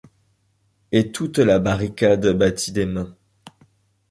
Et toute la barricade battit des mains.